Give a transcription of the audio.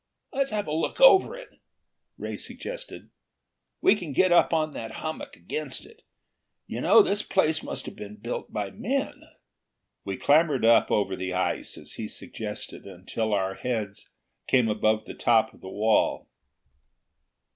"Let's have a look over it." Ray suggested. "We can get up on that hummock, against it. You know, this place must have been built by men!" We clambered up over the ice, as he suggested, until our heads came above the top of the wall.